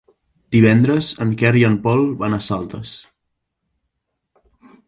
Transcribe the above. Divendres en Quer i en Pol van a Saldes.